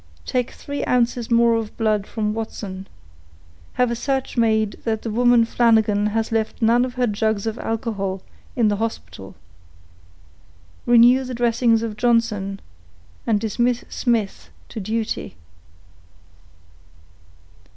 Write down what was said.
Take three ounces more of blood from Watson. Have a search made that the woman Flanagan has left none of her jugs of alcohol in the hospital. Renew the dressings of Johnson, and dismiss Smith to duty.